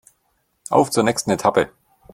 Auf zur nächsten Etappe!